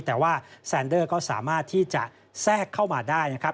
แต่ว่าแซนเดอร์ก็สามารถที่จะแทรกเข้ามาได้นะครับ